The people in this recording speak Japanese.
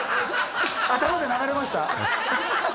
頭で流れました？